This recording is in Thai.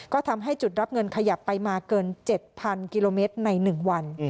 ก็ทำให้จุดรับเงินขยับไปมาเกิน๗๐๐กิโลเมตรใน๑วัน